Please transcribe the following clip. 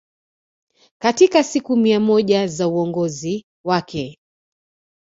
katika siku mia moja za uongozi wake